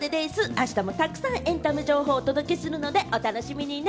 あしたもたくさんエンタメ情報をお届けするのでお楽しみにね！